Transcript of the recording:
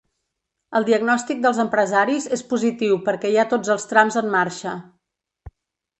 El diagnòstic dels empresaris és positiu perquè hi ha tots els trams en marxa.